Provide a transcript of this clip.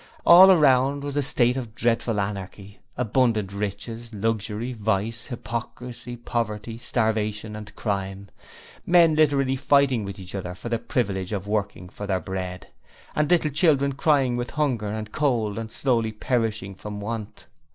All around was a state of dreadful anarchy; abundant riches, luxury, vice, hypocrisy, poverty, starvation, and crime. Men literally fighting with each other for the privilege of working for their bread, and little children crying with hunger and cold and slowly perishing of want.